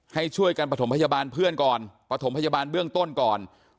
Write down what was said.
ให้ช่วยกันประถมพยาบาลเพื่อนก่อนประถมพยาบาลเบื้องต้นก่อน